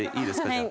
じゃあ。